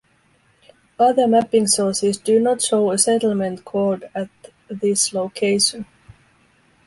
Other mapping sources do not show a settlement called at this location.